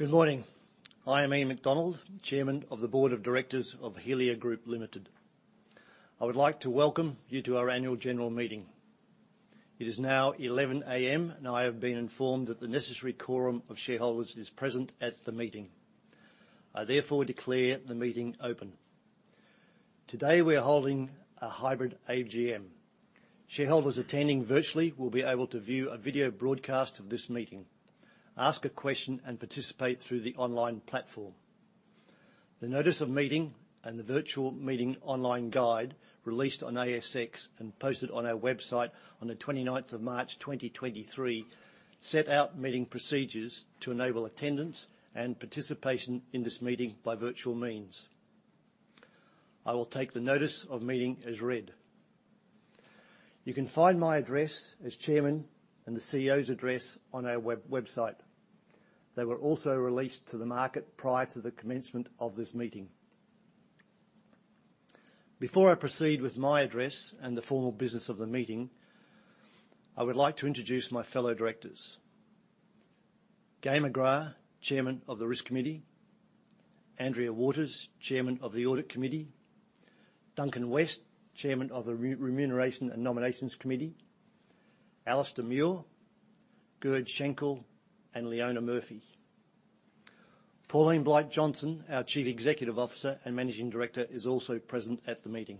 Good morning. I am Ian MacDonald, Chairman of the Board of Directors of Helia Group Limited. I would like to welcome you to our annual general meeting. It is now 11:00 A.M., and I have been informed that the necessary quorum of shareholders is present at the meeting. I therefore declare the meeting open. Today, we're holding a hybrid AGM. Shareholders attending virtually will be able to view a video broadcast of this meeting, ask a question, and participate through the online platform. The notice of meeting and the virtual meeting online guide, released on ASX and posted on our website on the 29th of March, 2023, set out meeting procedures to enable attendance and participation in this meeting by virtual means. I will take the notice of meeting as read. You can find my address as chairman and the CEO's address on our website. They were also released to the market prior to the commencement of this meeting. Before I proceed with my address and the formal business of the meeting, I would like to introduce my fellow directors. Gai McGrath, Chairman of the Risk Committee, Andrea Waters, Chairman of the Audit Committee, Duncan West, Chairman of the Remuneration and Nominations Committee, Alistair Muir, Gerd Schenkel, and Leona Murphy. Pauline Blight-Johnston, our Chief Executive Officer and Managing Director, is also present at the meeting.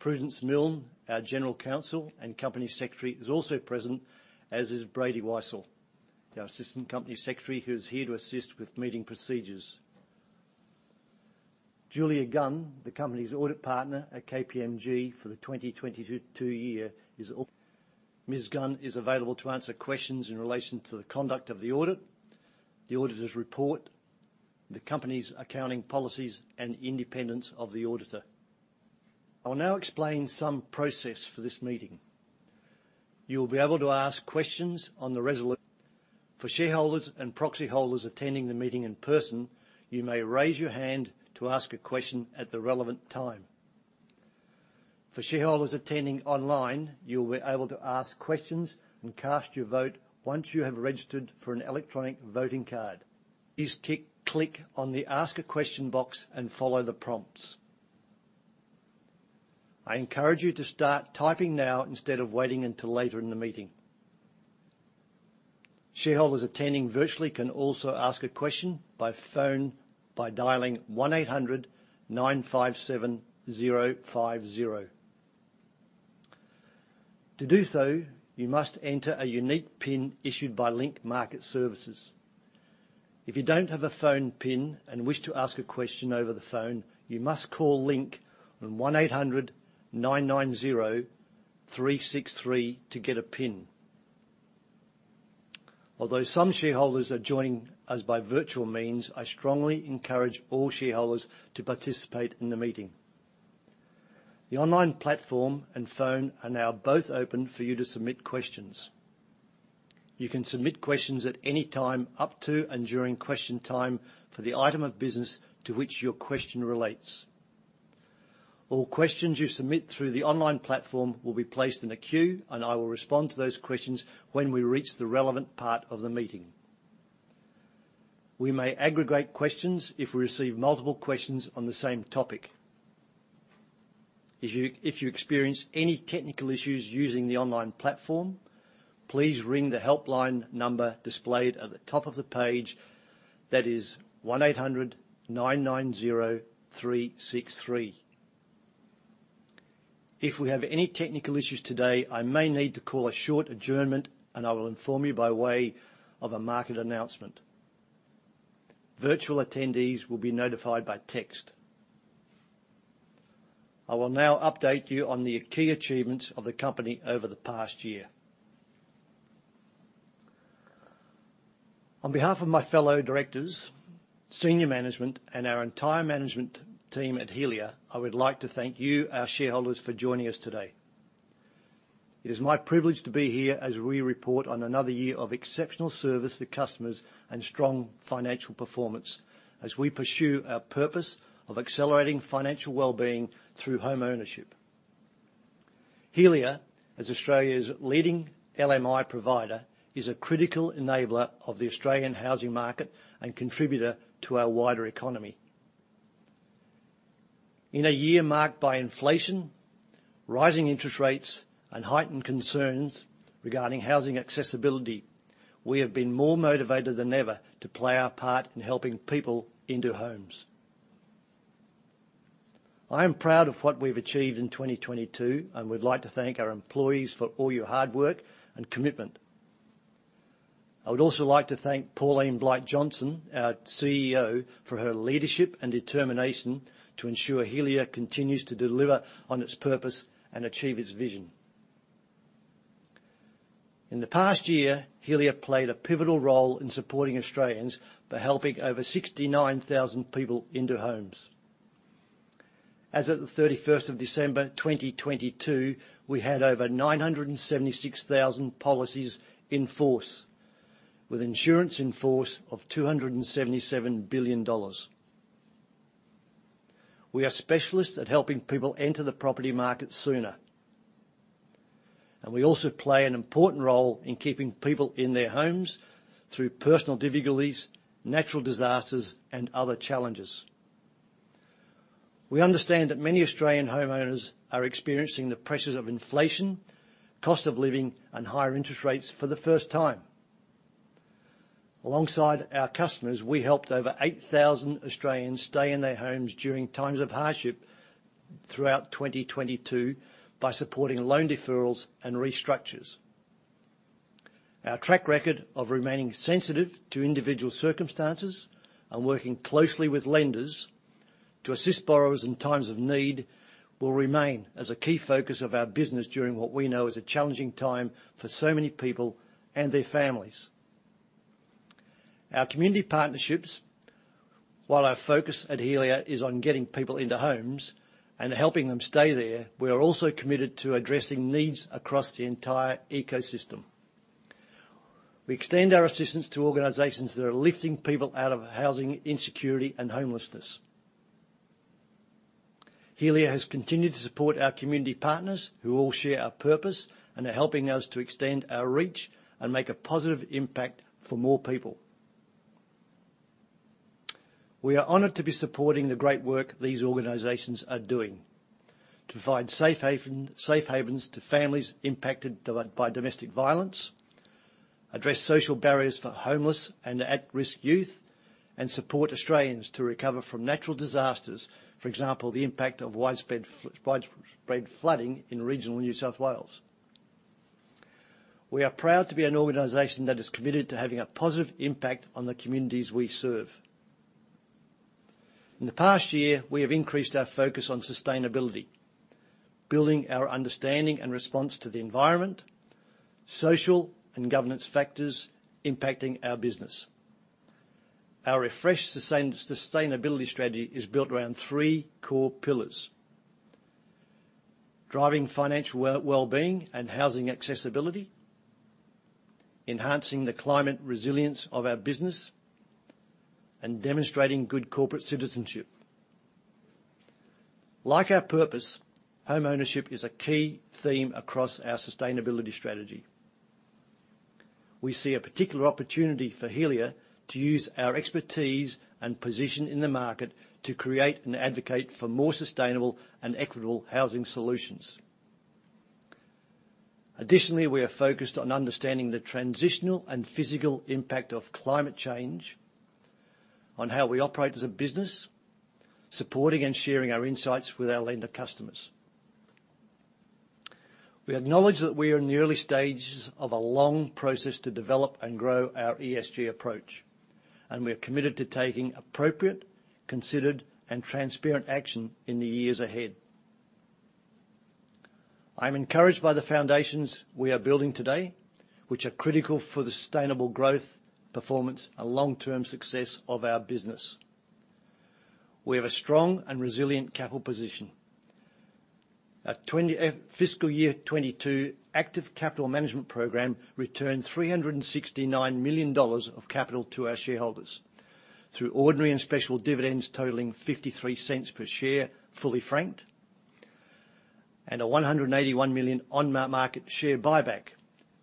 Prudence Milne, our General Counsel and Company Secretary, is also present, as is Brady Weisz, our Assistant Company Secretary, who is here to assist with meeting procedures. Julia Gunn, the company's Audit Partner at KPMG for the 2022 year, is Ms. Gunn is available to answer questions in relation to the conduct of the audit, the auditor's report, the company's accounting policies, and independence of the auditor. I will now explain some process for this meeting. You will be able to ask questions on the result. For shareholders and proxy holders attending the meeting in person, you may raise your hand to ask a question at the relevant time. For shareholders attending online, you'll be able to ask questions and cast your vote once you have registered for an electronic voting card. Please click on the Ask a Question box and follow the prompts. I encourage you to start typing now instead of waiting until later in the meeting. Shareholders attending virtually can also ask a question by phone by dialing 1-800-957-050. To do so, you must enter a unique PIN issued by Link Market Services. If you don't have a phone PIN and wish to ask a question over the phone, you must call Link on 1-800-990-363 to get a PIN. Although some shareholders are joining us by virtual means, I strongly encourage all shareholders to participate in the meeting. The online platform and phone are now both open for you to submit questions. You can submit questions at any time up to and during question time for the item of business to which your question relates. All questions you submit through the online platform will be placed in a queue, and I will respond to those questions when we reach the relevant part of the meeting. We may aggregate questions if we receive multiple questions on the same topic. If you experience any technical issues using the online platform, please ring the helpline number displayed at the top of the page. That is 1-800-990-363. If we have any technical issues today, I may need to call a short adjournment, and I will inform you by way of a market announcement. Virtual attendees will be notified by text. I will now update you on the key achievements of the company over the past year. On behalf of my fellow directors, senior management, and our entire management team at Helia, I would like to thank you, our shareholders, for joining us today. It is my privilege to be here as we report on another year of exceptional service to customers and strong financial performance as we pursue our purpose of accelerating financial well-being through homeownership. Helia, as Australia's leading LMI provider, is a critical enabler of the Australian housing market and contributor to our wider economy. In a year marked by inflation, rising interest rates, and heightened concerns regarding housing accessibility, we have been more motivated than ever to play our part in helping people into homes. I am proud of what we've achieved in 2022 and would like to thank our employees for all your hard work and commitment. I would also like to thank Pauline Blight-Johnston, our CEO, for her leadership and determination to ensure Helia continues to deliver on its purpose and achieve its vision. In the past year, Helia played a pivotal role in supporting Australians by helping over 69,000 people into homes. As at the 31st of December, 2022, we had over 976,000 policies in force, with insurance in force of 277 billion dollars. We are specialists at helping people enter the property market sooner. We also play an important role in keeping people in their homes through personal difficulties, natural disasters, and other challenges. We understand that many Australian homeowners are experiencing the pressures of inflation, cost of living, and higher interest rates for the first time. Alongside our customers, we helped over 8,000 Australians stay in their homes during times of hardship throughout 2022 by supporting loan deferrals and restructures. Our track record of remaining sensitive to individual circumstances and working closely with lenders to assist borrowers in times of need will remain as a key focus of our business during what we know is a challenging time for so many people and their families. Our community partnerships, while our focus at Helia is on getting people into homes and helping them stay there, we are also committed to addressing needs across the entire ecosystem. We extend our assistance to organizations that are lifting people out of housing insecurity and homelessness. Helia has continued to support our community partners who all share our purpose and are helping us to extend our reach and make a positive impact for more people. We are honored to be supporting the great work these organizations are doing to provide safe havens to families impacted by domestic violence, address social barriers for homeless and at-risk youth, and support Australians to recover from natural disasters, for example, the impact of widespread flooding in regional New South Wales. We are proud to be an organization that is committed to having a positive impact on the communities we serve. In the past year, we have increased our focus on sustainability, building our understanding and response to the environment, social and governance factors impacting our business. Our refreshed sustainability strategy is built around three core pillars: driving financial wellbeing and housing accessibility, enhancing the climate resilience of our business, and demonstrating good corporate citizenship. Like our purpose, home ownership is a key theme across our sustainability strategy. We see a particular opportunity for Helia to use our expertise and position in the market to create and advocate for more sustainable and equitable housing solutions. Additionally, we are focused on understanding the transitional and physical impact of climate change on how we operate as a business, supporting and sharing our insights with our lender customers. We acknowledge that we are in the early stages of a long process to develop and grow our ESG approach, and we are committed to taking appropriate, considered, and transparent action in the years ahead. I am encouraged by the foundations we are building today, which are critical for the sustainable growth, performance, and long-term success of our business. We have a strong and resilient capital position. Our fiscal year 2022 active capital management program returned 369 million dollars of capital to our shareholders through ordinary and special dividends totaling 0.53 per share, fully franked, and an 181 million on-market share buyback,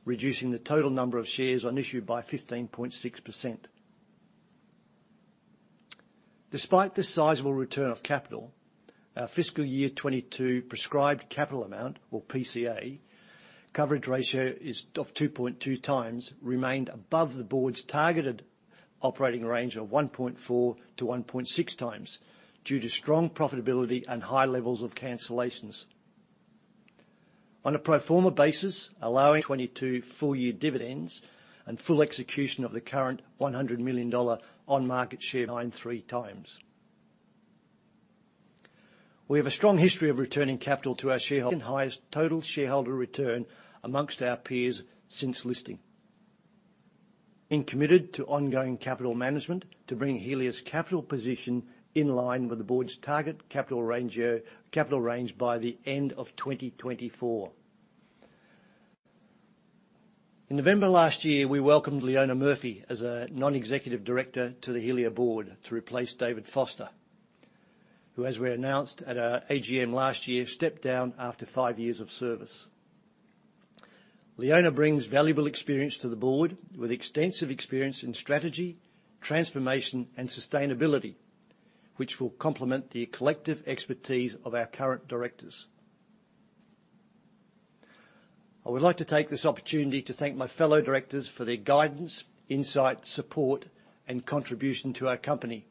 reducing the total number of shares on issue by 15.6%. Despite this sizable return of capital, our fiscal year 2022 Prescribed Capital Amount, or PCA, coverage ratio of 2.2 times, remained above the board's targeted operating range of 1.4-1.6 times due to strong profitability and high levels of cancellations. On a pro forma basis, allowing 22 full year dividends and full execution of the current 100 million dollar on market share, 1. times. We have a strong history of returning capital to our shareholder, highest Total Shareholder Return amongst our peers since listing. Being committed to ongoing capital management to bring Helia's capital position in line with the board's target capital range, capital range by the end of 2024. In November last year, we welcomed Leona Murphy as a non-executive director to the Helia board to replace David Foster, who, as we announced at our AGM last year, stepped down after five years of service. Leona brings valuable experience to the board with extensive experience in strategy, transformation, and sustainability, which will complement the collective expertise of our current directors. I would like to take this opportunity to thank my fellow directors for their guidance, insight, support, and contribution to our company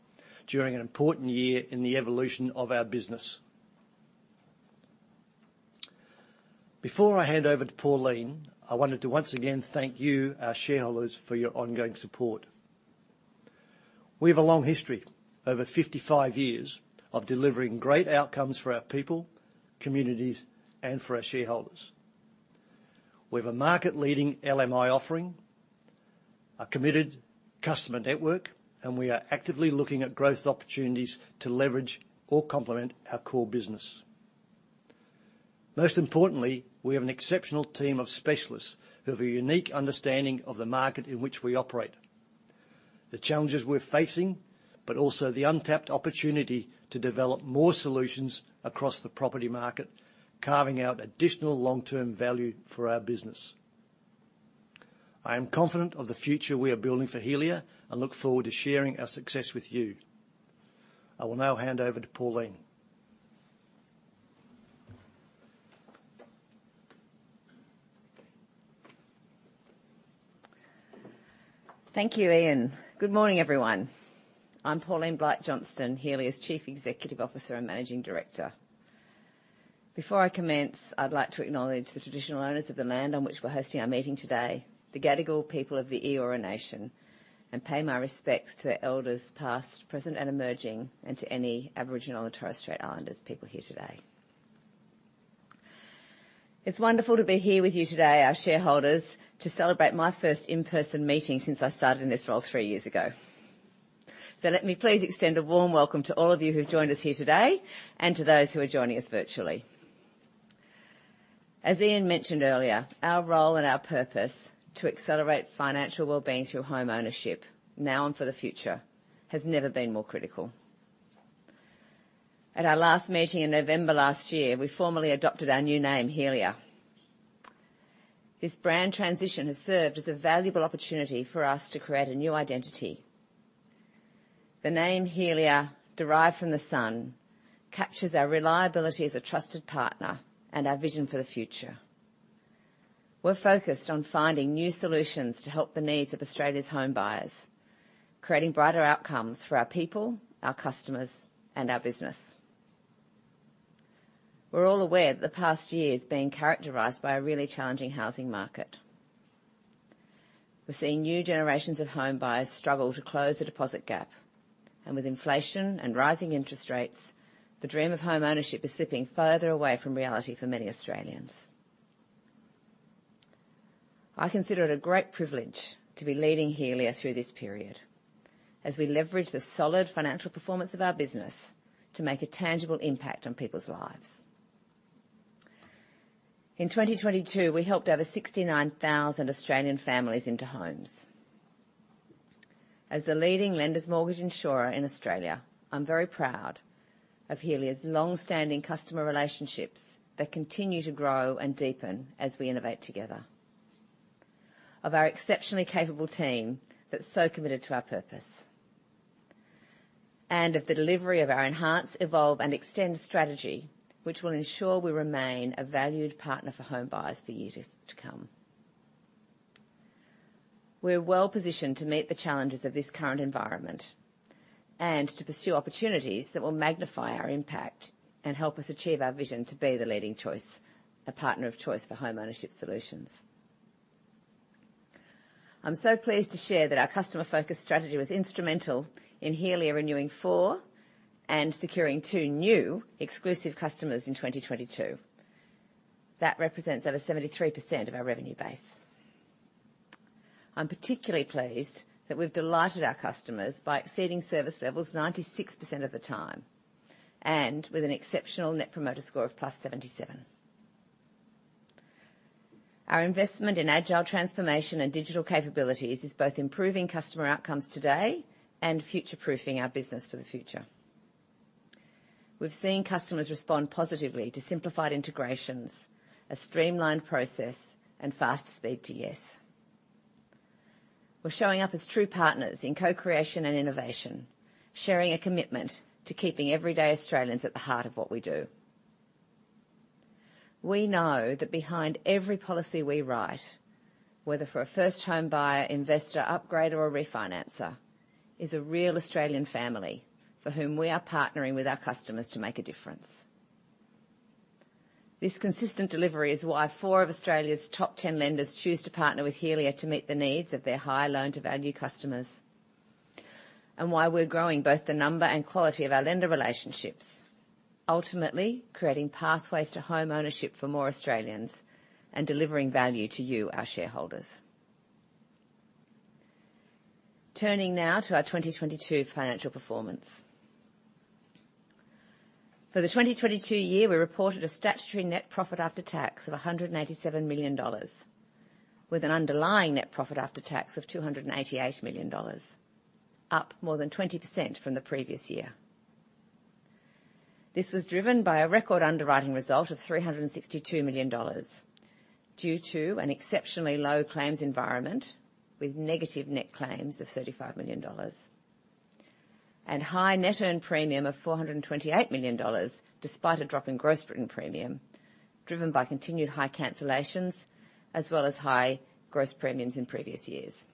during an important year in the evolution of our business. Before I hand over to Pauline, I wanted to once again thank you, our shareholders, for your ongoing support. We have a long history, over 55 years, of delivering great outcomes for our people, communities, and for our shareholders. We have a market-leading LMI offering, a committed customer network, and we are actively looking at growth opportunities to leverage or complement our core business. Most importantly, we have an exceptional team of specialists who have a unique understanding of the market in which we operate, the challenges we're facing, but also the untapped opportunity to develop more solutions across the property market, carving out additional long-term value for our business. I am confident of the future we are building for Helia, and look forward to sharing our success with you. I will now hand over to Pauline. Thank you, Ian. Good morning, everyone. I'm Pauline Blight-Johnston, Helia's Chief Executive Officer and Managing Director. Before I commence, I'd like to acknowledge the traditional owners of the land on which we're hosting our meeting today, the Gadigal people of the Eora Nation, and pay my respects to elders past, present, and emerging, and to any Aboriginal and Torres Strait Islanders people here today. It's wonderful to be here with you today, our shareholders, to celebrate my first in-person meeting since I started in this role three years ago. Let me please extend a warm welcome to all of you who have joined us here today and to those who are joining us virtually. As Ian mentioned earlier, our role and our purpose to accelerate financial wellbeing through homeownership now and for the future has never been more critical. At our last meeting in November last year, we formally adopted our new name, Helia. This brand transition has served as a valuable opportunity for us to create a new identity. The name Helia, derived from the sun, captures our reliability as a trusted partner and our vision for the future. We're focused on finding new solutions to help the needs of Australia's home buyers, creating brighter outcomes for our people, our customers, and our business. We're all aware that the past year has been characterized by a really challenging housing market. We're seeing new generations of home buyers struggle to close the deposit gap, and with inflation and rising interest rates, the dream of homeownership is slipping further away from reality for many Australians. I consider it a great privilege to be leading Helia through this period as we leverage the solid financial performance of our business to make a tangible impact on people's lives. In 2022, we helped over 69,000 Australian families into homes. As the leading lender's mortgage insurer in Australia, I'm very proud of Helia's long-standing customer relationships that continue to grow and deepen as we innovate together, of our exceptionally capable team that's so committed to our purpose, and of the delivery of our Enhance, Evolve, and Extend strategy, which will ensure we remain a valued partner for home buyers for years to come. We're well-positioned to meet the challenges of this current environment and to pursue opportunities that will magnify our impact and help us achieve our vision to be the leading choice, a partner of choice for homeownership solutions. I'm so pleased to share that our customer-focused strategy was instrumental in Helia renewing 4 and securing 2 new exclusive customers in 2022. That represents over 73% of our revenue base. I'm particularly pleased that we've delighted our customers by exceeding service levels 96% of the time, and with an exceptional Net Promoter Score of +77. Our investment in agile transformation and digital capabilities is both improving customer outcomes today and future-proofing our business for the future. We've seen customers respond positively to simplified integrations, a streamlined process, and fast speed to yes. We're showing up as true partners in co-creation and innovation, sharing a commitment to keeping everyday Australians at the heart of what we do. We know that behind every policy we write, whether for a first home buyer, investor, upgrader, or a refinancer, is a real Australian family for whom we are partnering with our customers to make a difference. This consistent delivery is why 4 of Australia's top 10 lenders choose to partner with Helia to meet the needs of their high loan-to-value customers, and why we're growing both the number and quality of our lender relationships, ultimately creating pathways to homeownership for more Australians and delivering value to you, our shareholders. Turning now to our 2022 financial performance. For the 2022 year, we reported a statutory net profit after tax of 187 million dollars, with an underlying net profit after tax of 288 million dollars, up more than 20% from the previous year. This was driven by a record underwriting result of 362 million dollars due to an exceptionally low claims environment with negative net claims of AUD 35 million and high Net Earned Premium of AUD 428 million, despite a drop in Gross Written Premium driven by continued high cancellations as well as high gross premiums in previous years.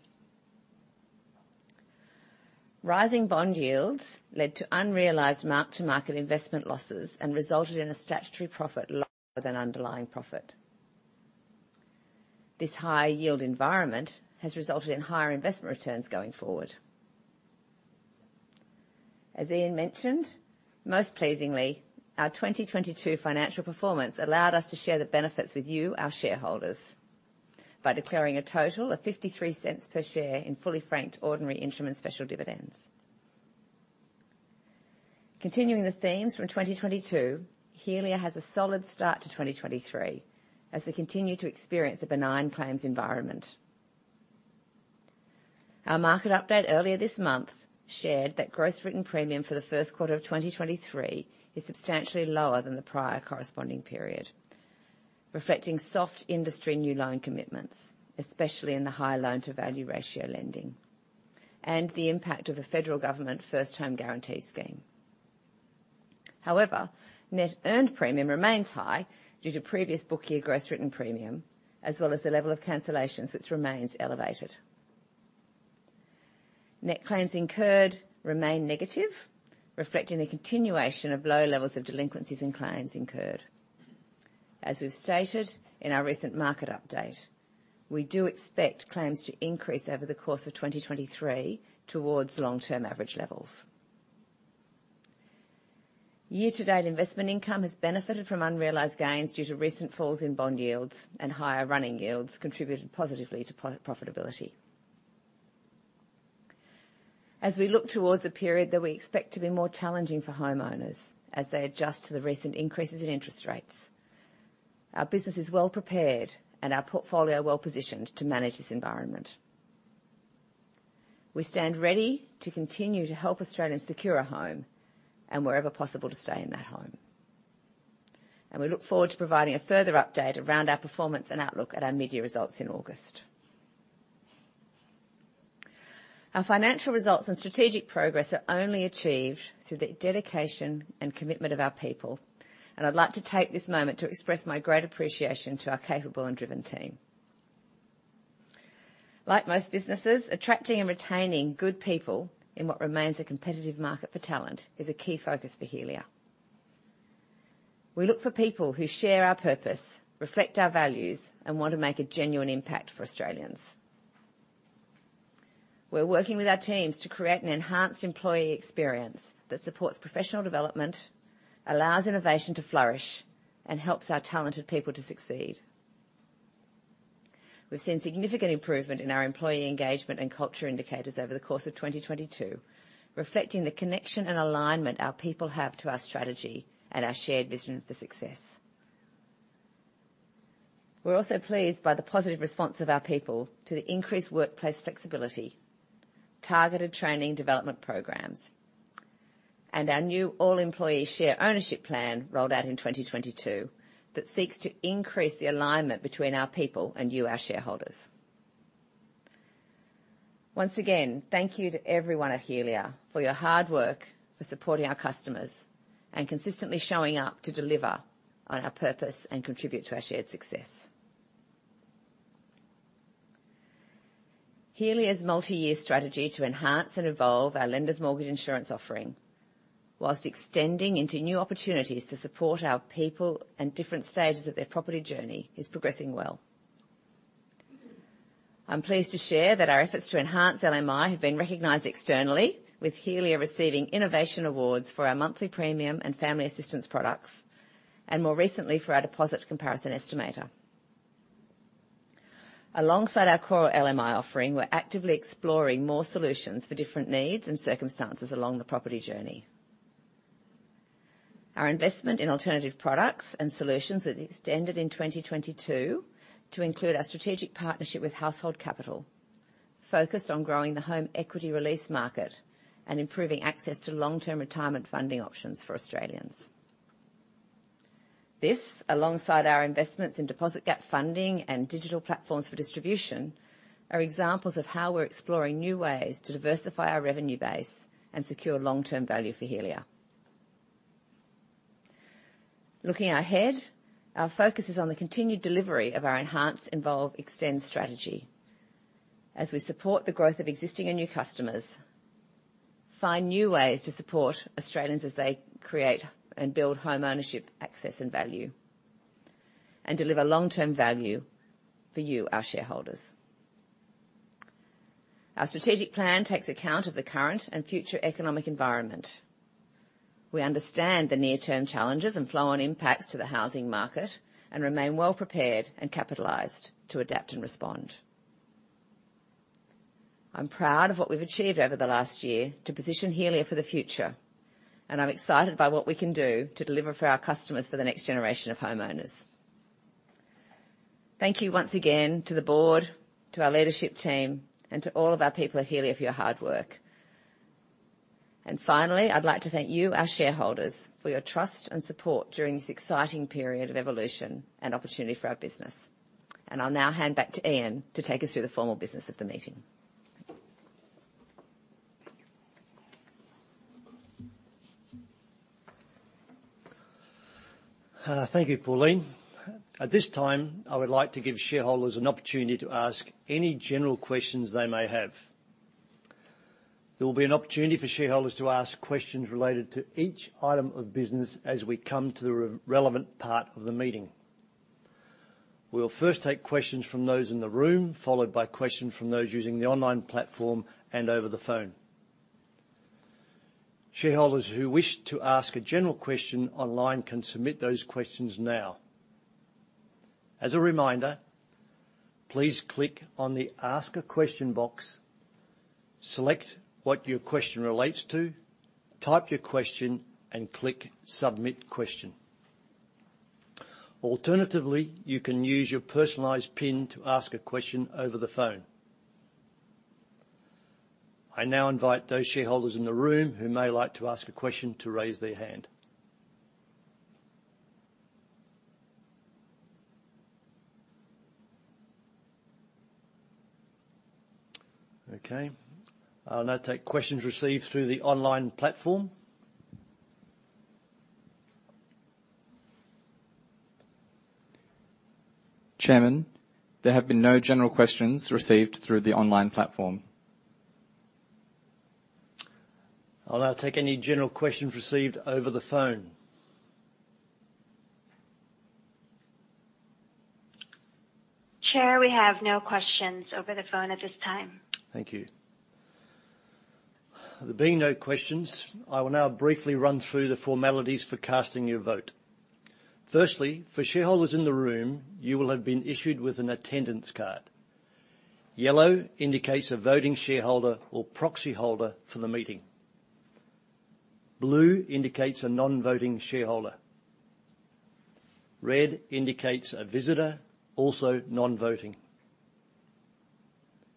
Rising bond yields led to unrealized mark-to-market investment losses and resulted in a statutory profit lower than underlying profit. This higher yield environment has resulted in higher investment returns going forward. As Ian mentioned, most pleasingly, our 2022 financial performance allowed us to share the benefits with you, our shareholders, by declaring a total of 0.53 per share in fully franked ordinary interim and special dividends. Continuing the themes from 2022, Helia has a solid start to 2023, as we continue to experience a benign claims environment. Our market update earlier this month shared that Gross Written Premium for the first quarter of 2023 is substantially lower than the prior corresponding period, reflecting soft industry new loan commitments, especially in the higher loan-to-value ratio lending, and the impact of the federal government First Home Guarantee Scheme. Net Earned Premium remains high due to previous book year Gross Written Premium, as well as the level of cancellations, which remains elevated. Net Claims Incurred remain negative, reflecting the continuation of low levels of delinquencies and claims incurred. As we've stated in our recent market update, we do expect claims to increase over the course of 2023 towards long-term average levels. Year-to-date investment income has benefited from unrealized gains due to recent falls in bond yields and higher running yields contributed positively to pro-profitability. As we look towards a period that we expect to be more challenging for homeowners as they adjust to the recent increases in interest rates, our business is well-prepared and our portfolio well-positioned to manage this environment. We stand ready to continue to help Australians secure a home and wherever possible to stay in that home. We look forward to providing a further update around our performance and outlook at our media results in August. Our financial results and strategic progress are only achieved through the dedication and commitment of our people, and I'd like to take this moment to express my great appreciation to our capable and driven team. Like most businesses, attracting and retaining good people in what remains a competitive market for talent is a key focus for Helia. We look for people who share our purpose, reflect our values, and want to make a genuine impact for Australians. We're working with our teams to create an enhanced employee experience that supports professional development, allows innovation to flourish, and helps our talented people to succeed. We've seen significant improvement in our employee engagement and culture indicators over the course of 2022, reflecting the connection and alignment our people have to our strategy and our shared vision for success. We're also pleased by the positive response of our people to the increased workplace flexibility, targeted training development programs, and our new all employee share ownership plan rolled out in 2022 that seeks to increase the alignment between our people and you, our shareholders. Once again, thank you to everyone at Helia for your hard work, for supporting our customers, and consistently showing up to deliver on our purpose and contribute to our shared success. Helia's multi-year strategy to enhance and evolve our lender's mortgage insurance offering, while extending into new opportunities to support our people and different stages of their property journey, is progressing well. I'm pleased to share that our efforts to enhance LMI have been recognized externally with Helia receiving innovation awards for our Monthly Premium and Family Assistance products, and more recently for our deposit comparison estimator. Alongside our core LMI offering, we're actively exploring more solutions for different needs and circumstances along the property journey. Our investment in alternative products and solutions was extended in 2022 to include our strategic partnership with Household Capital, focused on growing the home equity release market and improving access to long-term retirement funding options for Australians. This, alongside our investments in deposit gap funding and digital platforms for distribution, are examples of how we're exploring new ways to diversify our revenue base and secure long-term value for Helia. Looking ahead, our focus is on the continued delivery of our Enhance, Evolve, Extend strategy as we support the growth of existing and new customers, find new ways to support Australians as they create and build home ownership access and value, and deliver long-term value for you, our shareholders. Our strategic plan takes account of the current and future economic environment. We understand the near-term challenges and flow-on impacts to the housing market and remain well prepared and capitalized to adapt and respond. I'm proud of what we've achieved over the last year to position Helia for the future, and I'm excited by what we can do to deliver for our customers for the next generation of homeowners. Thank you once again to the board, to our leadership team, and to all of our people at Helia for your hard work. Finally, I'd like to thank you, our shareholders, for your trust and support during this exciting period of evolution and opportunity for our business. I'll now hand back to Ian to take us through the formal business of the meeting. Thank you, Pauline. At this time, I would like to give shareholders an opportunity to ask any general questions they may have. There will be an opportunity for shareholders to ask questions related to each item of business as we come to the relevant part of the meeting. We'll first take questions from those in the room, followed by questions from those using the online platform and over the phone. Shareholders who wish to ask a general question online can submit those questions now. As a reminder, please click on the Ask a Question box, select what your question relates to, type your question, and click Submit Question. Alternatively, you can use your personalized pin to ask a question over the phone. I now invite those shareholders in the room who may like to ask a question to raise their hand. Okay, I'll now take questions received through the online platform. Chairman, there have been no general questions received through the online platform. I'll now take any general questions received over the phone. Chair, we have no questions over the phone at this time. Thank you. There being no questions, I will now briefly run through the formalities for casting your vote. Firstly, for shareholders in the room, you will have been issued with an attendance card. Yellow indicates a voting shareholder or proxy holder for the meeting. Blue indicates a non-voting shareholder. Red indicates a visitor, also non-voting.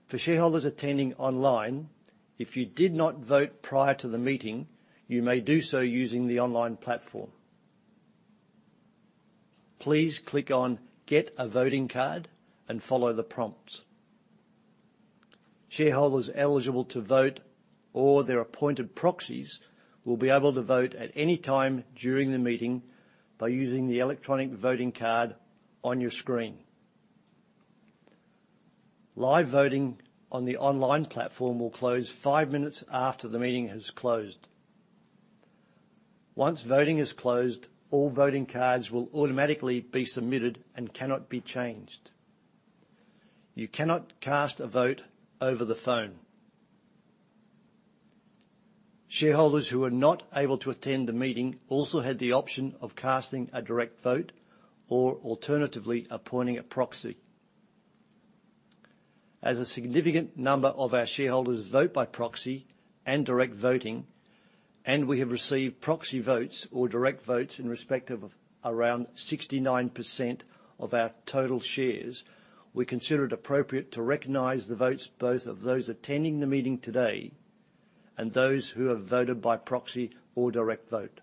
For shareholders attending online, if you did not vote prior to the meeting, you may do so using the online platform. Please click on Get a Voting Card and follow the prompts. Shareholders eligible to vote or their appointed proxies will be able to vote at any time during the meeting by using the electronic voting card on your screen. Live voting on the online platform will close 5 minutes after the meeting has closed. Once voting is closed, all voting cards will automatically be submitted and cannot be changed. You cannot cast a vote over the phone. Shareholders who are not able to attend the meeting also had the option of casting a direct vote or alternatively appointing a proxy. As a significant number of our shareholders vote by proxy and direct voting, and we have received proxy votes or direct votes in respect of around 69% of our total shares, we consider it appropriate to recognize the votes both of those attending the meeting today and those who have voted by proxy or direct vote.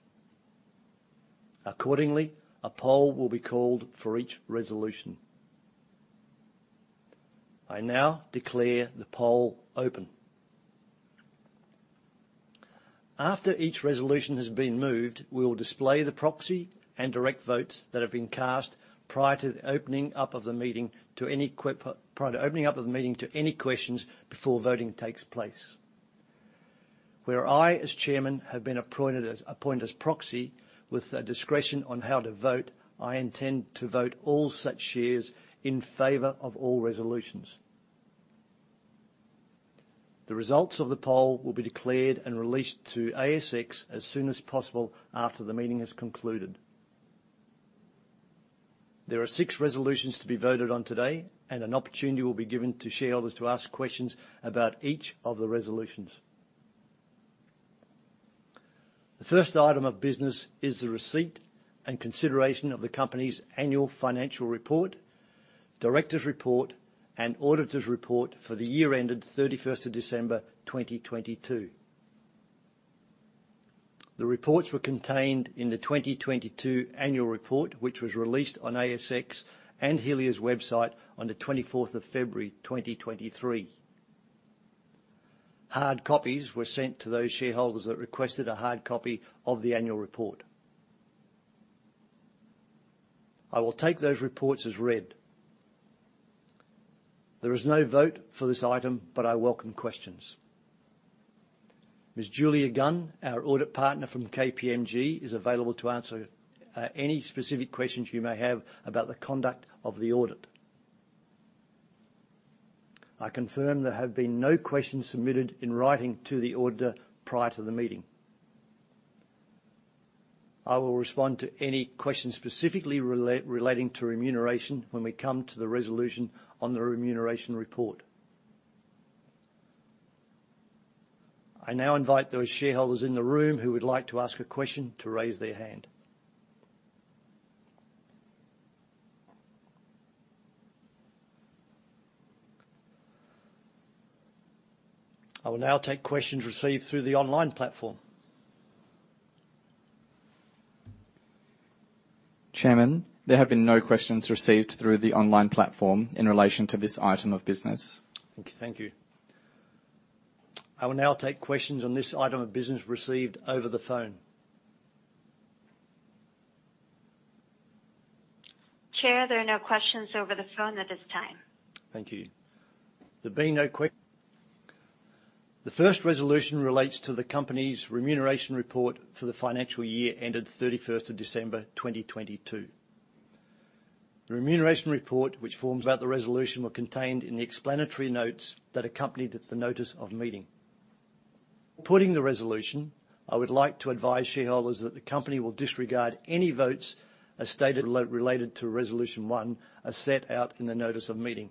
Accordingly, a poll will be called for each resolution. I now declare the poll open. After each resolution has been moved, we will display the proxy and direct votes that have been cast prior to opening up of the meeting to any questions before voting takes place. Where I, as chairman, have been appointed as proxy with a discretion on how to vote, I intend to vote all such shares in favor of all resolutions. The results of the poll will be declared and released to ASX as soon as possible after the meeting has concluded. There are 6 resolutions to be voted on today. An opportunity will be given to shareholders to ask questions about each of the resolutions. The first item of business is the receipt and consideration of the company's annual financial report, directors report, and auditors report for the year ended 31st of December, 2022. The reports were contained in the 2022 annual report, which was released on ASX and Helia's website on the 24th of February, 2023. Hard copies were sent to those shareholders that requested a hard copy of the annual report. I will take those reports as read. I welcome questions. Ms. Julia Gunn, our audit partner from KPMG, is available to answer any specific questions you may have about the conduct of the audit. I confirm there have been no questions submitted in writing to the auditor prior to the meeting. I will respond to any questions specifically relating to remuneration when we come to the resolution on the remuneration report. I now invite those shareholders in the room who would like to ask a question to raise their hand. I will now take questions received through the online platform. Chairman, there have been no questions received through the online platform in relation to this item of business. Thank you. I will now take questions on this item of business received over the phone. Chair, there are no questions over the phone at this time. Thank you. There being no. The first resolution relates to the company's Remuneration Report for the financial year ended 31st of December, 2022. The Remuneration Report which forms about the resolution were contained in the explanatory notes that accompanied the Notice of Meeting. Putting the resolution, I would like to advise shareholders that the company will disregard any votes as stated related to Resolution 1 as set out in the Notice of Meeting.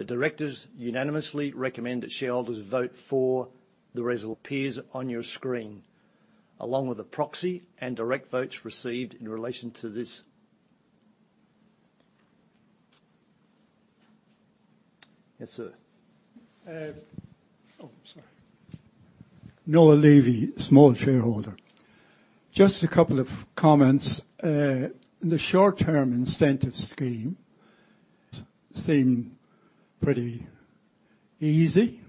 The directors unanimously recommend that shareholders vote for the resolve appears on your screen, along with the proxy and direct votes received in relation to this. Yes, sir. Sorry. Noah Levy, small shareholder. Just a couple of comments. In the short-term incentive scheme seem pretty easy,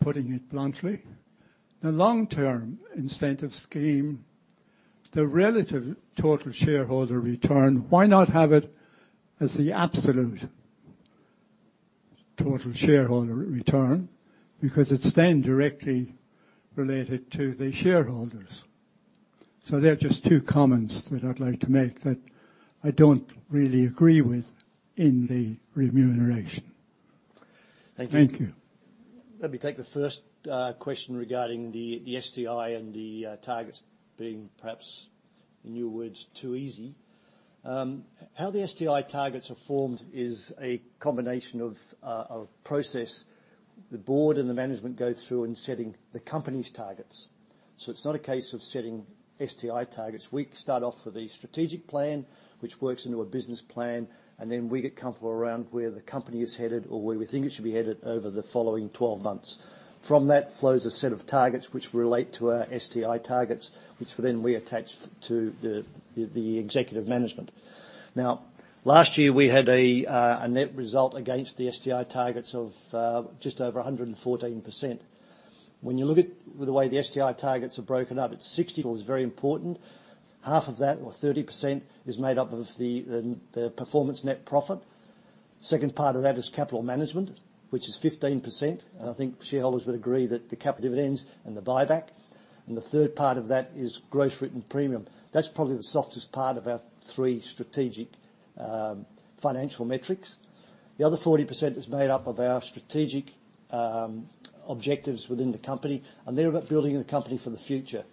putting it bluntly. The long-term incentive scheme, the relative total shareholder return, why not have it as the absolute total shareholder return? Because it's then directly related to the shareholders. They're just two comments that I'd like to make that I don't really agree with in the remuneration. Thank you. Thank you. Let me take the first question regarding the STI and the targets being, perhaps in your words, too easy. How the STI targets are formed is a combination of process the board and the management go through in setting the company's targets. It's not a case of setting STI targets. We start off with a strategic plan, which works into a business plan, and then we get comfortable around where the company is headed or where we think it should be headed over the following 12 months. From that, flows a set of targets which relate to our STI targets, which will then we attach to the executive management. Last year we had a net result against the STI targets of just over 114%. When you look at the way the STI targets are broken up, it's 60, very important. Half of that, or 30%, is made up of the performance net profit. Second part of that is capital management, which is 15%, and I think shareholders would agree that the capital dividends and the buyback. The third part of that is Gross Written Premium. That's probably the softest part about three strategic, financial metrics. The other 40% is made up of our strategic objectives within the company, and they're about building the company for the future,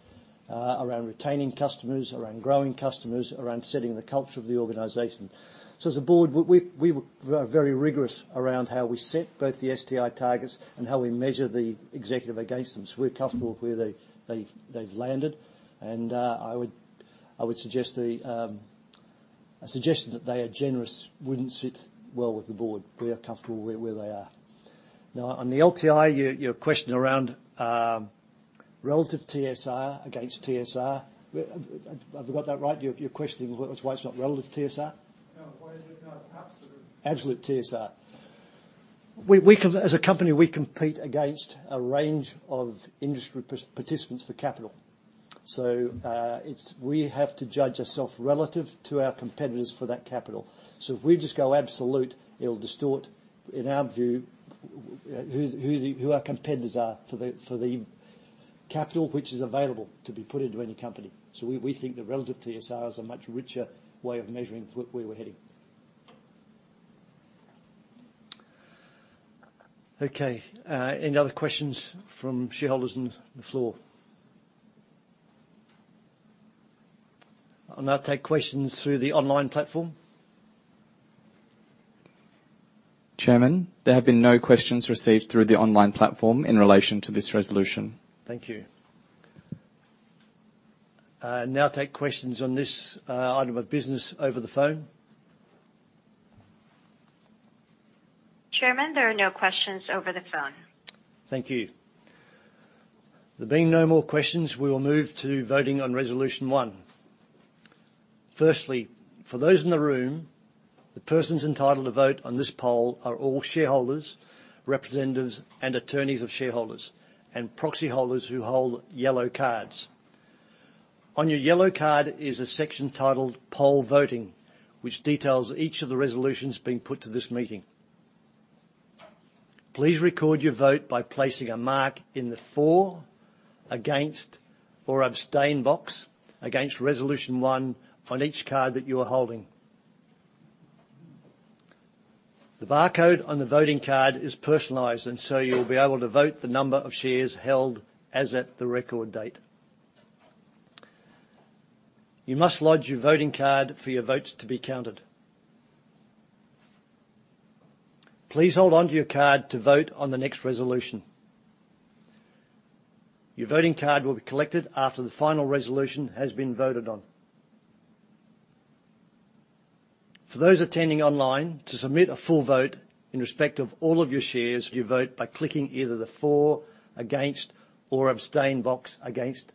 around retaining customers, around growing customers, around setting the culture of the organization. As a board, we were very rigorous around how we set both the STI targets and how we measure the executive against them. We're comfortable with where they've landed and I would suggest A suggestion that they are generous wouldn't sit well with the board. We are comfortable where they are. Now on the LTI, your question around relative TSR against TSR. Have I got that right, your question is why it's not relative TSR? No. Why is it not absolute? Absolute TSR. We com- As a company, we compete against a range of industry participants for capital. It's we have to judge ourself relative to our competitors for that capital. If we just go absolute, it'll distort, in our view, who our competitors are for the capital which is available to be put into any company. We think the relative TSR is a much richer way of measuring where we're heading. Okay. Any other questions from shareholders on the floor? I'll now take questions through the online platform. Chairman, there have been no questions received through the online platform in relation to this resolution. Thank you. I'll now take questions on this item of business over the phone. Chairman, there are no questions over the phone. Thank you. There being no more questions, we will move to voting on resolution one. Firstly, for those in the room, the persons entitled to vote on this poll are all shareholders, representatives and attorneys of shareholders and proxy holders who hold yellow cards. On your yellow card is a section titled Poll Voting, which details each of the resolutions being put to this meeting. Please record your vote by placing a mark in the for, against or abstain box against resolution one on each card that you are holding. The barcode on the voting card is personalized you'll be able to vote the number of shares held as at the record date. You must lodge your voting card for your votes to be counted. Please hold onto your card to vote on the next resolution. Your voting card will be collected after the final resolution has been voted on. For those attending online. To submit a full vote in respect of all of your shares, you vote by clicking either the for, against, or abstain box against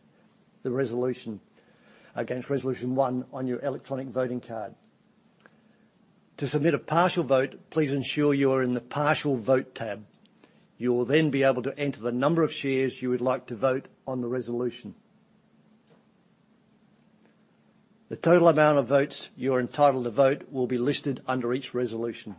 resolution one on your electronic voting card. To submit a partial vote, please ensure you are in the Partial Vote tab. You will then be able to enter the number of shares you would like to vote on the resolution. The total amount of votes you are entitled to vote will be listed under each resolution.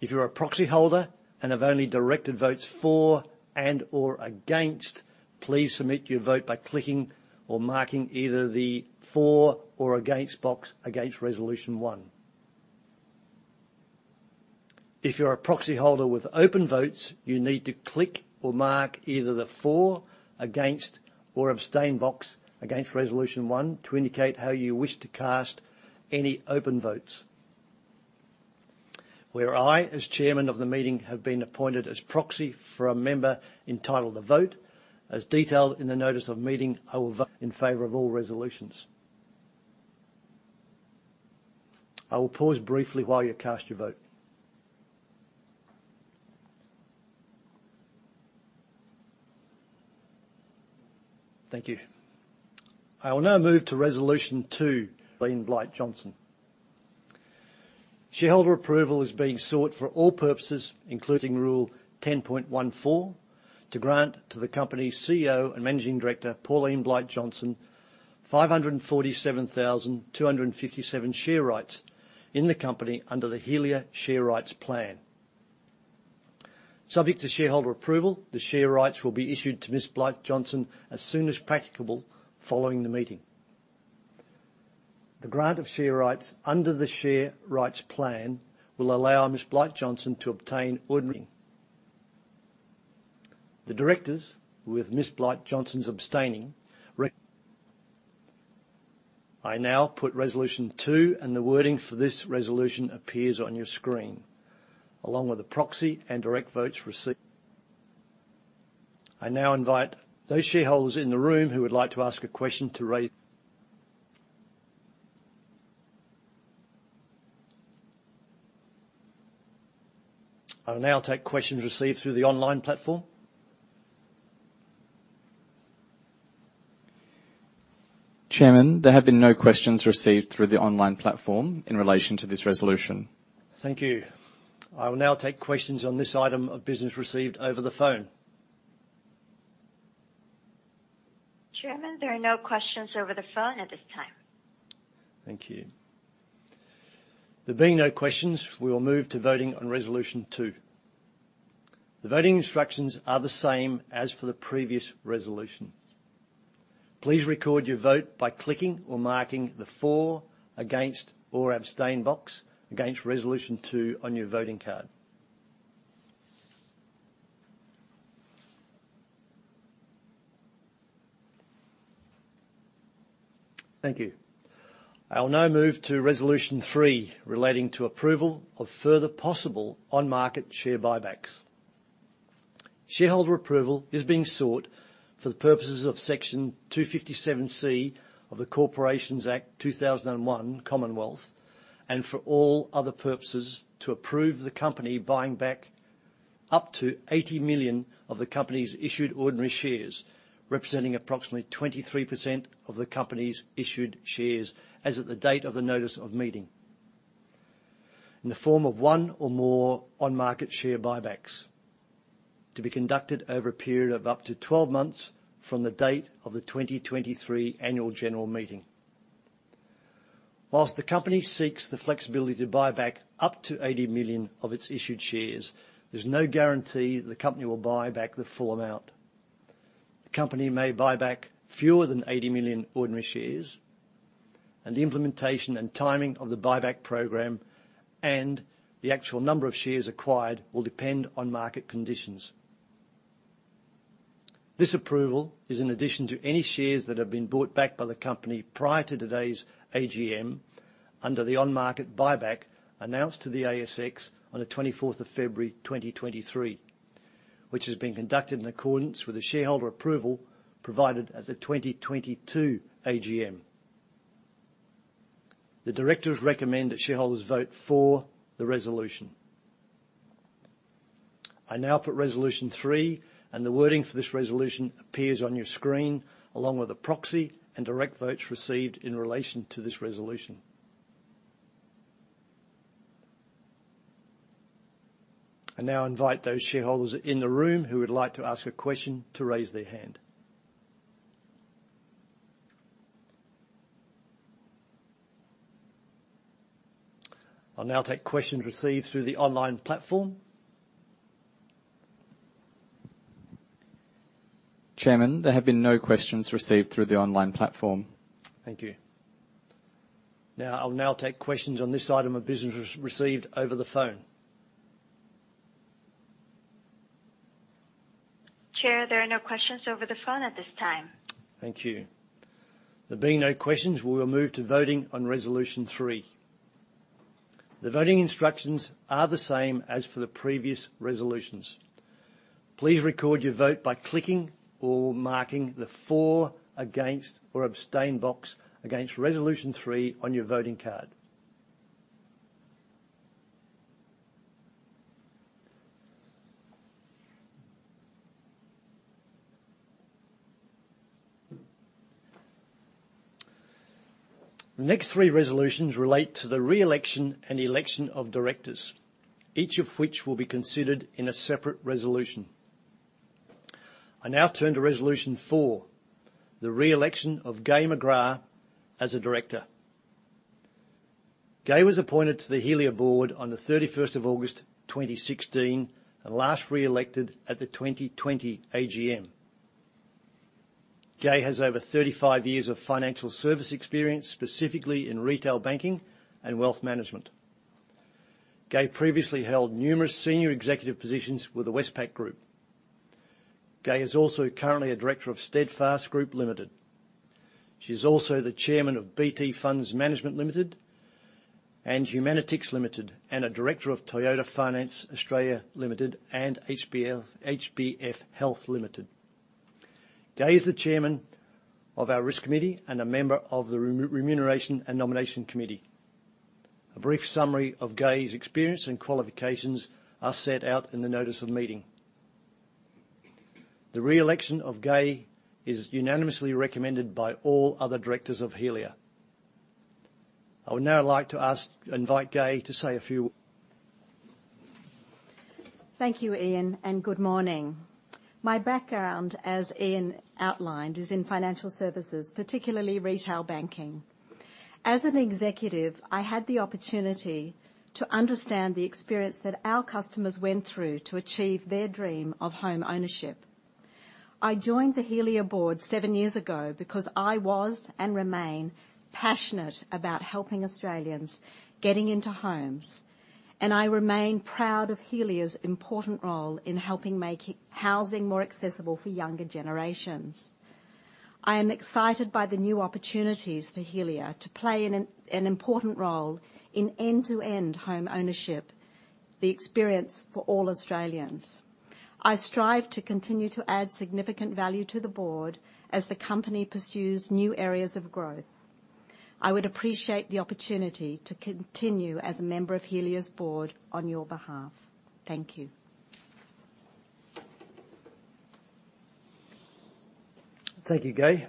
If you're a proxy holder and have only directed votes for and/or against, please submit your vote by clicking or marking either the for or against box against Resolution 1. If you're a proxyholder with open votes, you need to click or mark either the For, Against, or Abstain box against Resolution 1 to indicate how you wish to cast any open votes. Where I, as chairman of the meeting, have been appointed as proxy for a member entitled to vote, as detailed in the notice of meeting, I will vote in favor of all resolutions. I will pause briefly while you cast your vote. Thank you. I will now move to Resolution 2, Pauline Blight-Johnston. Shareholder approval is being sought for all purposes, including Rule 10.14, to grant to the company's CEO and Managing Director, Pauline Blight-Johnston, 547,257 share rights in the company under the Helia Share Rights Plan. Subject to shareholder approval, the share rights will be issued to Ms. Blight-Johnston as soon as practicable following the meeting. The grant of share rights under the Share Rights Plan will allow Ms. Blight-Johnston to obtain. The directors, with Ms. Blight-Johnston's abstaining. I now put resolution 2, the wording for this resolution appears on your screen, along with the proxy and direct votes received. I now invite those shareholders in the room who would like to ask a question to raise. I will now take questions received through the online platform. Chairman, there have been no questions received through the online platform in relation to this resolution. Thank you. I will now take questions on this item of business received over the phone. Chairman, there are no questions over the phone at this time. Thank you. There being no questions, we will move to voting on resolution two. The voting instructions are the same as for the previous resolution. Please record your vote by clicking or marking the For, Against, or Abstain box against resolution two on your voting card. Thank you. I will now move to resolution three relating to approval of further possible on-market share buybacks. Shareholder approval is being sought for the purposes of Section 257C of the Corporations Act 2001, Commonwealth, and for all other purposes to approve the company buying back up to 80 million of the company's issued ordinary shares, representing approximately 23% of the company's issued shares as of the date of the notice of meeting, in the form of one or more on-market share buybacks to be conducted over a period of up to 12 months from the date of the 2023 annual general meeting. While the company seeks the flexibility to buy back up to 80 million of its issued shares, there's no guarantee the company will buy back the full amount. The company may buy back fewer than 80 million ordinary shares, and the implementation and timing of the buyback program and the actual number of shares acquired will depend on market conditions. This approval is in addition to any shares that have been bought back by the company prior to today's AGM under the on-market buyback announced to the ASX on the 24th of February, 2023, which is being conducted in accordance with the shareholder approval provided at the 2022 AGM. The directors recommend that shareholders vote for the resolution. I now put resolution 3, and the wording for this resolution appears on your screen, along with the proxy and direct votes received in relation to this resolution. I now invite those shareholders in the room who would like to ask a question to raise their hand. I'll now take questions received through the online platform. Chairman, there have been no questions received through the online platform. Thank you. I'll now take questions on this item of business received over the phone. Chair, there are no questions over the phone at this time. Thank you. There being no questions, we will move to voting on Resolution 3. The voting instructions are the same as for the previous resolutions. Please record your vote by clicking or marking the For, Against, or Abstain box against Resolution 3 on your voting card. The next 3 resolutions relate to the re-election and election of directors, each of which will be considered in a separate resolution. I now turn to Resolution 4, the re-election of Gai McGrath as a director. Gai was appointed to the Helia board on the 31st of August, 2016, and last re-elected at the 2020 AGM. Gai has over 35 years of financial service experience, specifically in retail banking and wealth management. Gai previously held numerous senior executive positions with the Westpac Group. Gai is also currently a director of Steadfast Group Limited. She's also the Chairman of BT Funds Management Limited and Humanitix Limited, and a director of Toyota Finance Australia Limited and HBF Health Limited. Gai is the Chairman of our Risk Committee and a member of the Remuneration and Nomination Committee. A brief summary of Gai's experience and qualifications are set out in the notice of meeting. The re-election of Gai is unanimously recommended by all other directors of Helia. I would now like to invite Gai to say a few. Thank you, Ian. Good morning. My background, as Ian outlined, is in financial services, particularly retail banking. As an executive, I had the opportunity to understand the experience that our customers went through to achieve their dream of home ownership. I joined the Helia board seven years ago because I was, and remain, passionate about helping Australians getting into homes. I remain proud of Helia's important role in helping making housing more accessible for younger generations. I am excited by the new opportunities for Helia to play an important role in end-to-end home ownership, the experience for all Australians. I strive to continue to add significant value to the board as the company pursues new areas of growth. I would appreciate the opportunity to continue as a member of Helia's board on your behalf. Thank you. Thank you, Gai.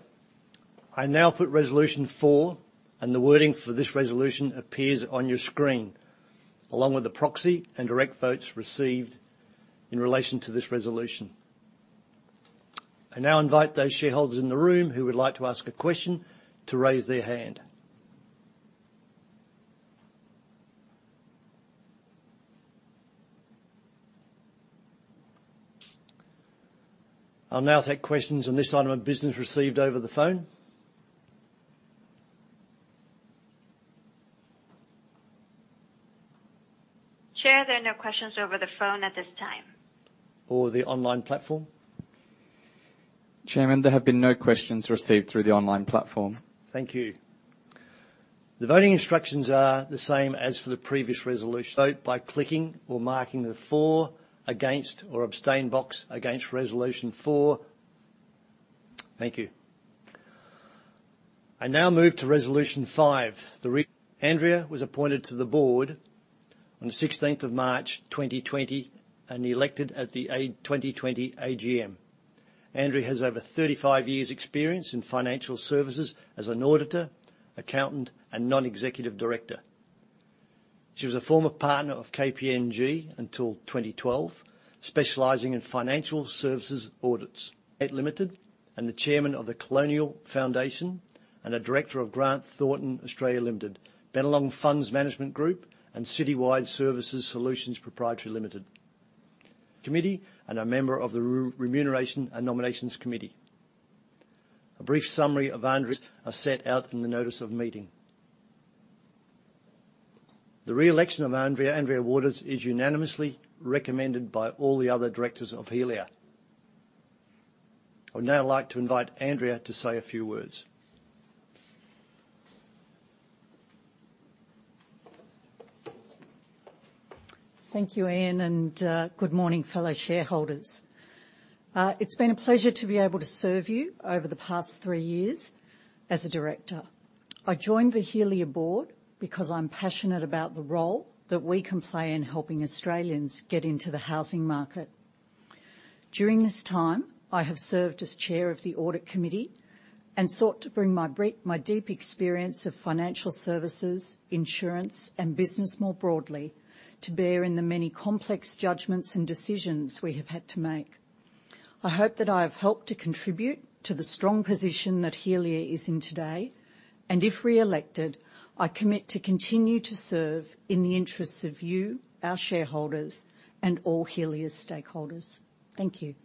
I now put resolution 4. The wording for this resolution appears on your screen, along with the proxy and direct votes received in relation to this resolution. I now invite those shareholders in the room who would like to ask a question to raise their hand. I'll now take questions on this item of business received over the phone. Chair, there are no questions over the phone at this time. The online platform. Chairman, there have been no questions received through the online platform. Thank you. The voting instructions are the same as for the previous resolution. Vote by clicking or marking the for, against, or abstain box against resolution 4. Thank you. I now move to resolution 5. Andrea was appointed to the board on the 16th of March, 2020, and elected at the 2020 AGM. Andrea has over 35 years' experience in financial services as an auditor, accountant, and non-executive director. She was a former partner of KPMG until 2012, specializing in financial services audits. Limited, and the Chairman of the Colonial Foundation, and a director of Grant Thornton Australia Limited, Bennelong Funds Management Group, and Citywide Service Solutions Pty Ltd. Committee, and a member of the Remuneration and Nominations Committee. A brief summary of Andrea's are set out in the notice of meeting. The re-election of Andrea Waters, is unanimously recommended by all the other directors of Helia. I would now like to invite Andrea to say a few words. Thank you, Ian. Good morning, fellow shareholders. It's been a pleasure to be able to serve you over the past three years as a director. I joined the Helia board because I'm passionate about the role that we can play in helping Australians get into the housing market. During this time, I have served as chair of the Audit Committee and sought to bring my deep experience of financial services, insurance, and business more broadly to bear in the many complex judgments and decisions we have had to make. I hope that I have helped to contribute to the strong position that Helia is in today, and if re-elected, I commit to continue to serve in the interests of you, our shareholders, and all Helia's stakeholders. Thank you.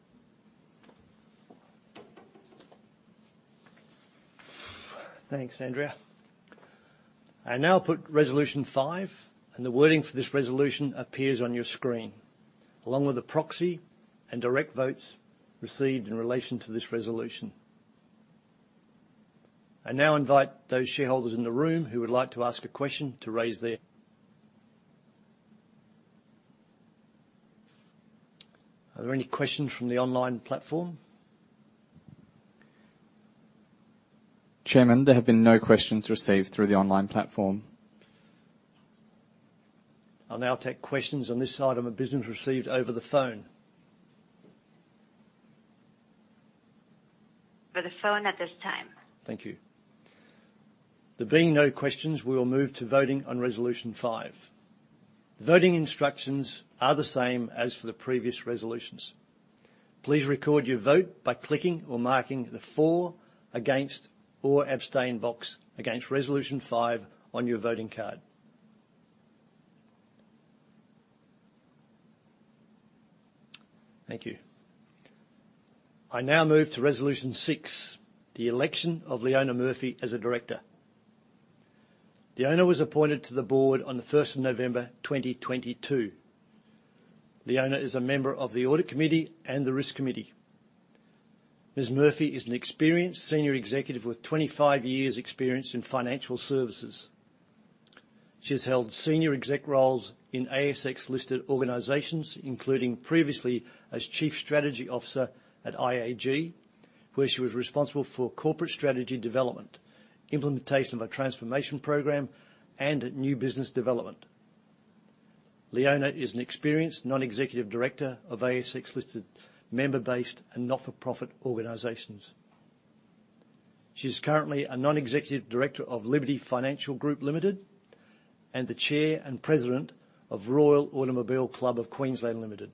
Thanks, Andrea. I now put resolution five. The wording for this resolution appears on your screen, along with the proxy and direct votes received in relation to this resolution. I now invite those shareholders in the room who would like to ask a question. Are there any questions from the online platform? Chairman, there have been no questions received through the online platform. I'll now take questions on this item of business received over the phone. Over the phone at this time. Thank you. There being no questions, we will move to voting on Resolution 5. Voting instructions are the same as for the previous resolutions. Please record your vote by clicking or marking the for, against, or abstain box against Resolution 5 on your voting card. Thank you. I now move to Resolution 6, the election of Leona Murphy as a director. Leona was appointed to the board on the 1st of November 2022. Leona is a member of the Audit Committee and the Risk Committee. Ms. Murphy is an experienced senior executive with 25 years' experience in financial services. She has held senior exec roles in ASX-listed organizations, including previously as Chief Strategy Officer at IAG, where she was responsible for corporate strategy development, implementation of a transformation program, and new business development. Leona is an experienced non-executive director of ASX-listed member-based and not-for-profit organizations. She is currently a Non-Executive Director of Liberty Financial Group Limited and the Chair and President of Royal Automobile Club of Queensland Limited.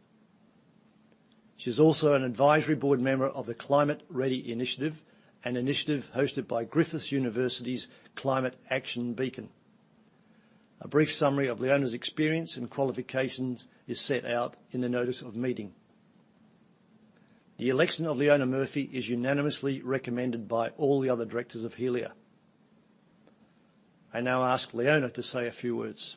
She's also an advisory board member of the Climate Ready Initiative, an initiative hosted by Griffith University's Climate Action Beacon. A brief summary of Leona's experience and qualifications is set out in the notice of meeting. The election of Leona Murphy is unanimously recommended by all the other directors of Helia. I now ask Leona to say a few words.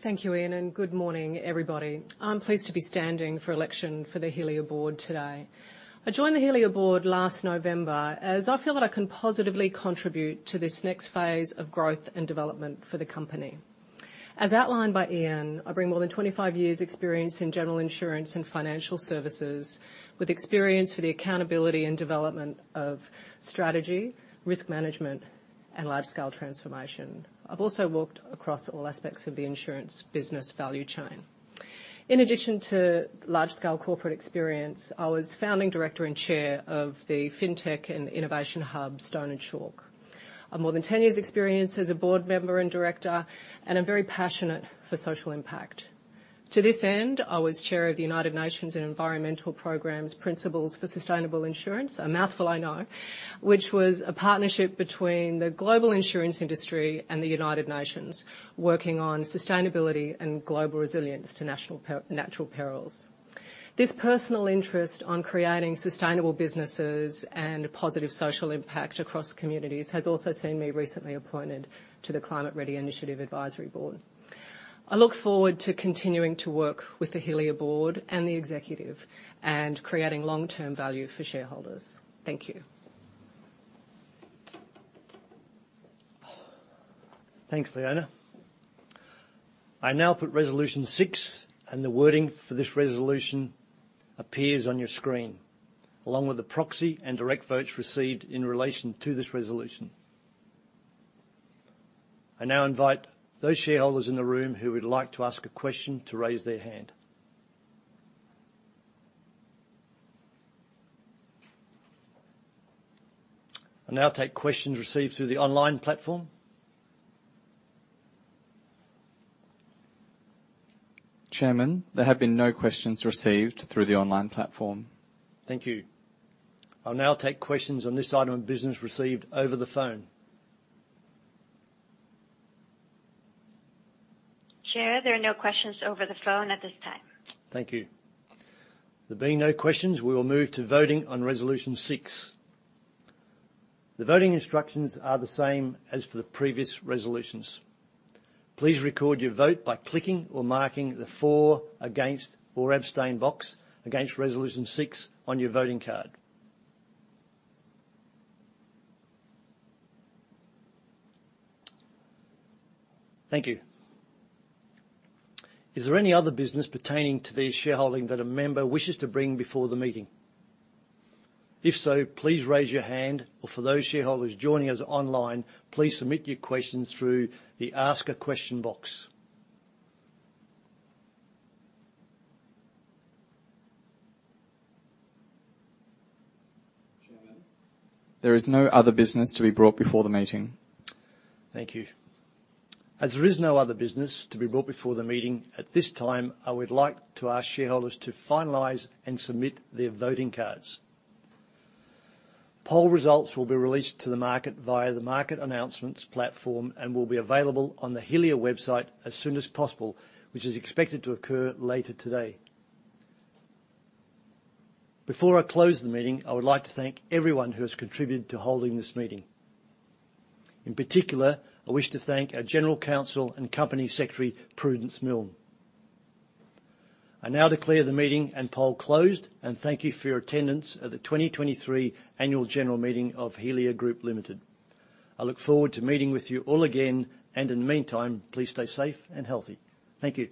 Thank you, Ian, and good morning, everybody. I'm pleased to be standing for election for the Helia board today. I joined the Helia board last November, as I feel that I can positively contribute to this next phase of growth and development for the company. As outlined by Ian, I bring more than 25 years' experience in general insurance and financial services, with experience for the accountability and development of strategy, risk management, and large-scale transformation. I've also worked across all aspects of the insurance business value chain. In addition to large-scale corporate experience, I was founding director and chair of the fintech and innovation hub, Stone & Chalk. I have more than 10 years' experience as a board member and director, and I'm very passionate for social impact. To this end, I was chair of the United Nations Environment Programme Principles for Sustainable Insurance, a mouthful I know, which was a partnership between the global insurance industry and the United Nations, working on sustainability and global resilience to natural perils. This personal interest on creating sustainable businesses and a positive social impact across communities has also seen me recently appointed to the Climate Ready Initiative Advisory Board. I look forward to continuing to work with the Helia board and the executive and creating long-term value for shareholders. Thank you. Thanks, Leona. I now put Resolution 6, the wording for this resolution appears on your screen, along with the proxy and direct votes received in relation to this resolution. I now invite those shareholders in the room who would like to ask a question to raise their hand. I'll now take questions received through the online platform. Chairman, there have been no questions received through the online platform. Thank you. I'll now take questions on this item of business received over the phone. Chair, there are no questions over the phone at this time. Thank you. There being no questions, we will move to voting on Resolution 6. The voting instructions are the same as for the previous resolutions. Please record your vote by clicking or marking the for against or abstain box against Resolution 6 on your voting card. Thank you. Is there any other business pertaining to the shareholding that a member wishes to bring before the meeting? If so, please raise your hand, or for those shareholders joining us online, please submit your questions through the Ask a Question box. Chairman, there is no other business to be brought before the meeting. Thank you. As there is no other business to be brought before the meeting, at this time, I would like to ask shareholders to finalize and submit their voting cards. Poll results will be released to the market via the market announcements platform and will be available on the Helia website as soon as possible, which is expected to occur later today. Before I close the meeting, I would like to thank everyone who has contributed to holding this meeting. In particular, I wish to thank our General Counsel and Company Secretary, Prudence Milne. I now declare the meeting and poll closed, and thank you for your attendance at the 2023 annual general meeting of Helia Group Limited. I look forward to meeting with you all again, and in the meantime, please stay safe and healthy. Thank you.